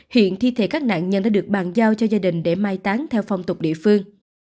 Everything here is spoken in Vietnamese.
hiện thi thể các nạn nhân đã được bàn giao cho gia đình để mai tán theo phong tục địa phương